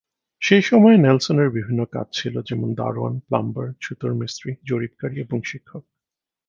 সেই সময়ে নেলসনের বিভিন্ন কাজ ছিল, যেমন দারোয়ান, প্লাম্বার, ছুতোর মিস্ত্রি, জরিপকারী এবং শিক্ষক।